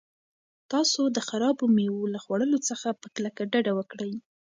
تاسو د خرابو مېوو له خوړلو څخه په کلکه ډډه وکړئ.